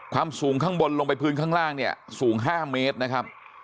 สูงข้างบนลงไปพื้นข้างล่างเนี่ยสูง๕เมตรนะครับ